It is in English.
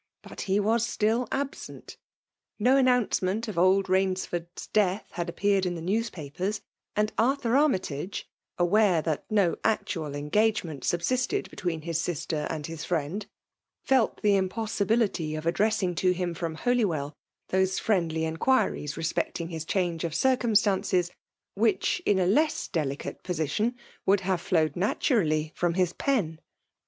But he was still absent; ' —no announcement of old Bainsford's death had appeared in the newspapers ; and Artfrnr AtmyisLge, aware that no actual engagement subsisted between his sister and his friend; fidt the impossibility of addsessing to hiin from Holywell those friendly inquiries re^ecit^ ing his change of drcunstsnces which, in a less delicate position, would have flowed natn^ 9%UKLR IXW1K4.T10I4; 19 nUy from his pen.